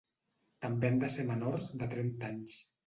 També han de ser menors de trenta anys.